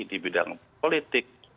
di bidang politik